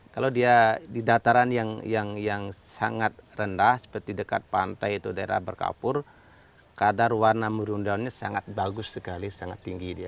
kalau dia di dataran yang sangat rendah seperti dekat pantai itu daerah berkapur kadar warna merundannya sangat bagus sekali sangat tinggi dia